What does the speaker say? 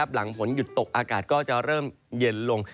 หลังฝนหยุดตกอากาศก็จะเริ่มเย็นลง